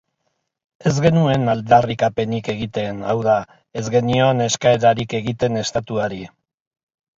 Ez genuen aldarrikapenik egiten, hau da, ez genion eskaerarik egiten estatuari